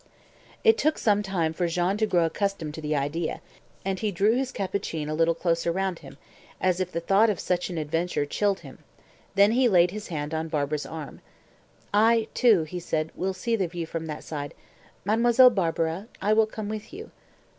It took some time for Jean to grow accustomed to the idea, and he drew his capucine a little closer round him, as if the thought of such an adventure chilled him; then he laid his hand on Barbara's arm. "I, too," he said, "will see the view from that side. Mademoiselle Barbara, I will come with you."